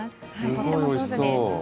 とっても上手です。